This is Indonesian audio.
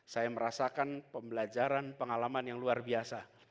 saya merasakan pembelajaran pengalaman yang luar biasa